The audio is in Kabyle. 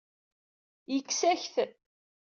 Yekkes-ak-t.